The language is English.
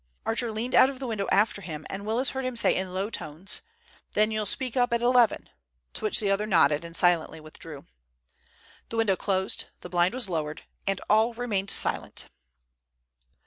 Archer leaned out of the window after him, and Willis heard him say in low tones, "Then you'll speak up at eleven?" to which the other nodded and silently withdrew. The window closed, the blind was lowered, and all remained silent.